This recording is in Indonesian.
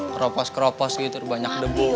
kerapos kerapos gitu banyak debungnya